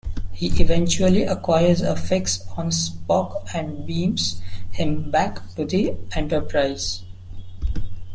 He eventually acquires a fix on Spock and beams him back to the "Enterprise".